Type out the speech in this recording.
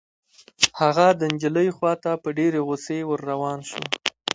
هغه د نجلۍ خوا ته په ډېرې غصې ور روان شو.